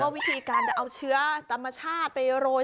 วิธีการจะเอาเชื้อธรรมชาติไปโรย